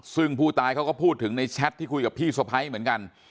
ซึ่งผู้ตายเขาก็พูดถึงในแชทที่คุยกับพี่สะพ้ายเหมือนกัน